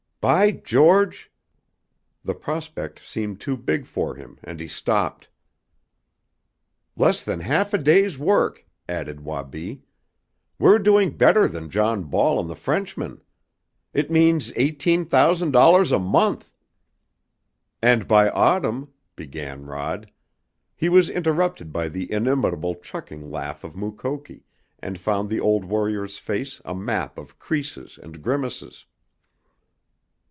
"By George " The prospect seemed too big for him, and he stopped. "Less than half a day's work," added Wabi. "We're doing better than John Ball and the Frenchmen. It means eighteen thousand dollars a month!" "And by autumn " began Rod. He was interrupted by the inimitable chuckling laugh of Mukoki and found the old warrior's face a map of creases and grimaces.